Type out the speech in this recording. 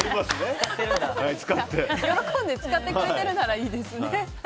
喜んで使ってくれてるならいいですね。